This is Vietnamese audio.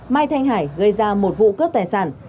mai thanh hải gây ra một vụ cướp tài sản